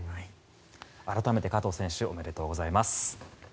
改めて加藤選手おめでとうございます。